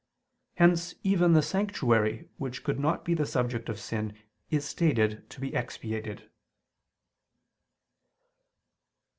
Hence even the sanctuary which could not be the subject of sin is stated to be expiated.